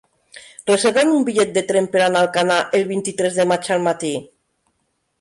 Reserva'm un bitllet de tren per anar a Alcanar el vint-i-tres de maig al matí.